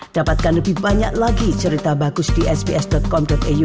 dapatkan lebih banyak lagi cerita bagus di sps com iu